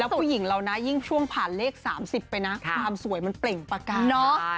ผู้หญิงเรานะยิ่งช่วงผ่านเลข๓๐ไปนะความสวยมันเปล่งประกายเนาะ